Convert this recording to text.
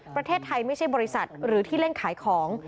ประเทศไทยไม่ใช่บริษัทหรือที่เล่นขายของ